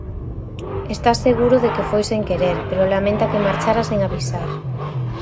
Está seguro de que foi sen querer, pero lamenta que marchara sen avisar.